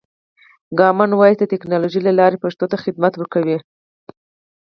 کامن وایس د ټکنالوژۍ له لارې پښتو ته خدمت ورکوي.